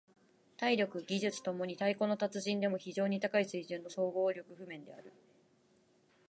体力・技術共に太鼓の達人でも非常に高い水準の総合力譜面である。